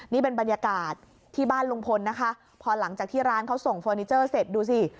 นี่เป็นบรรยากาศที่บ้านลุงพลนะคะพอหลังจากที่ร้านเขาส่งเฟอร์นิเจอร์เสร็จดูสิ